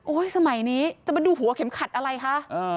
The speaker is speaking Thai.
สมัยนี้จะมาดูหัวเข็มขัดอะไรคะ